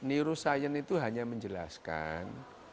neuroscience itu hanya menjelaskan